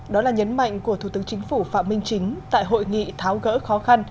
đó là nhấn mạnh của thủ tướng chính phủ phạm minh chính tại hội nghị tháo gỡ khó khăn